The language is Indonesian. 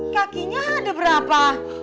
kakinya ada berapa